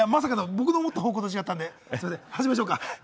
僕の思った方向と違ったので、すみません、始めましょうか。